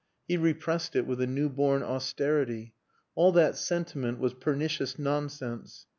He repressed it with a new born austerity. All that sentiment was pernicious nonsense.